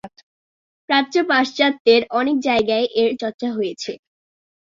প্রাচ্য-পাশ্চাত্যের অনেক জায়গায় এর চর্চা হয়েছে।